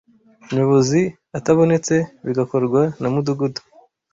Nyobozi atabonetse bigakorwa na mudugudu